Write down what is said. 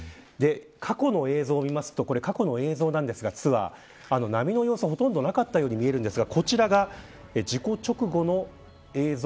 過去の映像を見ますとこれは過去のツアー映像ですが波の様子はほとんどなかったように見えますがこちらが事故直後の映像